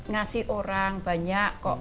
ngasih orang banyak kok